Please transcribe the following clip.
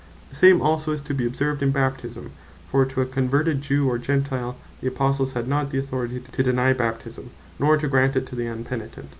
The same also is to be observed in Baptisme: for to a converted Jew, or Gentile, the Apostles had not the Power to deny Baptisme; nor to grant it to the Un penitent.